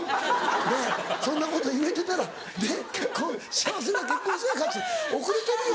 ねぇそんなこと言えてたらねっ結婚幸せな結婚生活送れてるよ